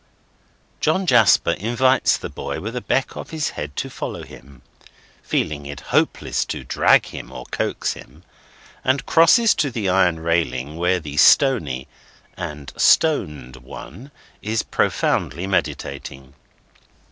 John Jasper invites the boy with a beck of his head to follow him (feeling it hopeless to drag him, or coax him), and crosses to the iron railing where the Stony (and stoned) One is profoundly meditating.